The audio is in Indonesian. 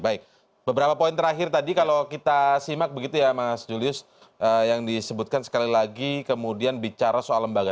baik beberapa poin terakhir tadi kalau kita simak begitu ya mas julius yang disebutkan sekali lagi kemudian bicara soal lembaga